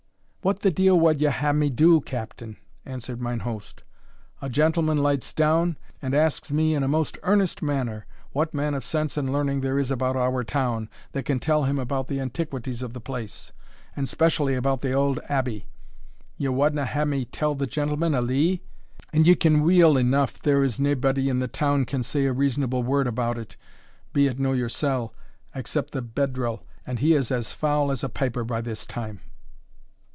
"What the deil wad ye hae me do, Captain?" answered mine host; "a gentleman lights down, and asks me in a most earnest manner, what man of sense and learning there is about our town, that can tell him about the antiquities of the place, and specially about the auld Abbey ye wadna hae me tell the gentleman a lee? and ye ken weel eneugh there is naebody in the town can say a reasonable word about it, be it no yoursell, except the bedral, and he is as fou as a piper by this time.